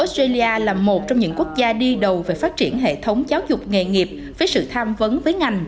australia là một trong những quốc gia đi đầu về phát triển hệ thống giáo dục nghề nghiệp với sự tham vấn với ngành